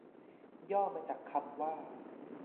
ย่อมาจากคำว่า